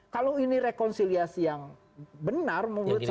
kalau ini rekonsiliasi yang benar menurut saya